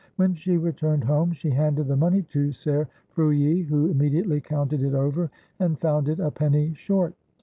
When she returned home she handed the money to Ser Frulli, who inmaediately counted it over and found it a penny short.